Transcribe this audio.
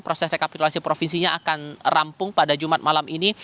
dan rekapitulasi provinsinya akan rampung pada jumat malam ini